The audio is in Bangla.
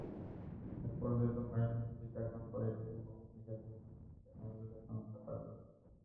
একপর্যায়ে তোফায়েলকে ছুরিকাঘাত করে দুটি মোটরসাইকেল নিয়ে আমিরুলের সঙ্গীরা পালিয়ে যান।